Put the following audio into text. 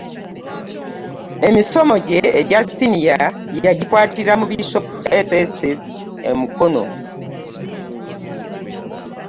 Emisomo gye egya Siniya yagikwatira mu Bishops SSS Mukono.